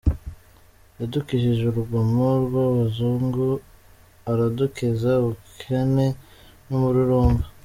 Yadukijije urugomo rw’abazungu, aradukiza ubukene n’umururumba.